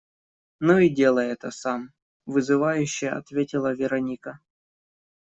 «Ну и делай это сам», - вызывающе ответила Вероника.